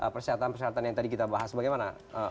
persyaratan persyaratan yang tadi kita bahas bagaimana